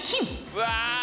うわ。